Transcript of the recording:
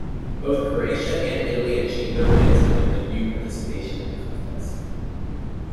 Both Croatia and Italy achieved their wins on their debut participation in the contest.